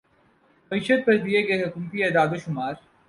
معیشت پر دیے گئے حکومتی اعداد و شمار